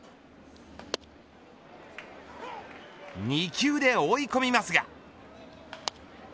２球で追い込みますが。